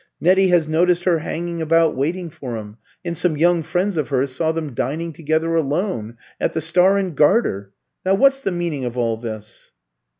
Nettie has noticed her hanging about waiting for him, and some young friends of hers saw them dining together alone at the Star and Garter. Now what's the meaning of all this?"